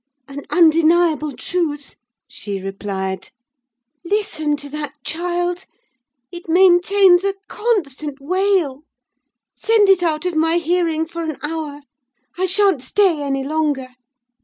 "An undeniable truth," she replied. "Listen to that child! It maintains a constant wail—send it out of my hearing for an hour; I sha'n't stay any longer."